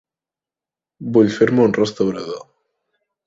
Vull fer-me un restaurador.